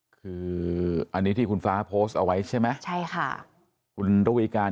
คืออันนี้ที่คุณฟ้าโพสต์เอาไว้ใช่ไหมใช่ค่ะคุณระวีการ